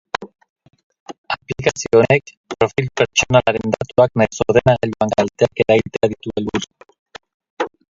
Aplikazio honek profil pertsonalaren datuak nahiz ordenagailuan kalteak eragitea ditu helburu.